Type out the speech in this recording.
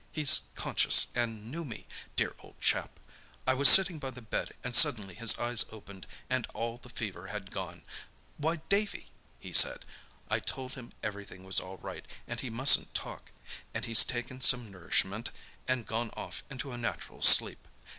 "He's conscious and knew me, dear old chap! I was sitting by the bed, and suddenly his eyes opened and all the fever had gone. 'Why, Davy!' he said. I told him everything was all right, and he mustn't talk—and he's taken some nourishment, and gone off into a natural sleep.